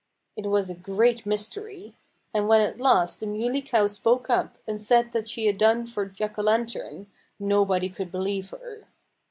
It was a great mystery. And when at last the Muley Cow spoke up and said that she had done for Jack O'Lantern, nobody could believe her.